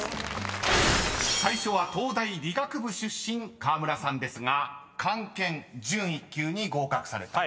［最初は東大理学部出身河村さんですが漢検準１級に合格されたと］